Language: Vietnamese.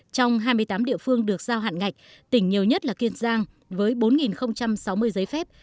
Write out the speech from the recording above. trong hai mươi tám địa phương được giao hạn ngạch tỉnh nhiều nhất là kiên giang với bốn sáu mươi giấy phép